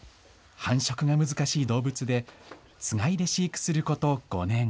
繁殖が難しい動物で、つがいで飼育すること５年。